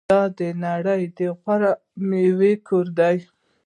د نړۍ د غوره میوو کور.